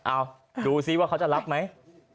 เอาดูซิว่าเขาจะรับไหม